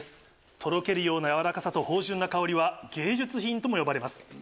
とろけるような軟らかさと芳醇な香りは芸術品とも呼ばれます。